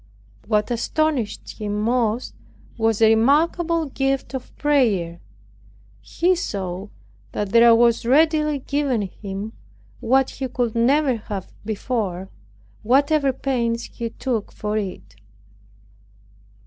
What astonished him most was a remarkable gift of prayer. He saw that there was readily given him what he could never have before, whatever pains he took for it.